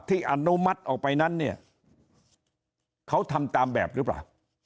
อนุมัติออกไปนั้นเนี่ยเขาทำตามแบบหรือเปล่า